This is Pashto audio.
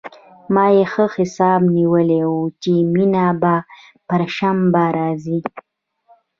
ما يې ښه حساب نيولى و چې مينه به پر شنبه راځي.